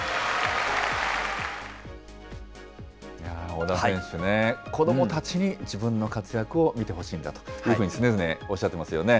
小田選手ね、子どもたちに自分の活躍を見てほしいんだと、常々おっしゃっていますよね。